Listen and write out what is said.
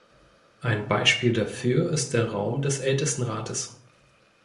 Ein Beispiel dafür ist der Raum des Ältestenrates.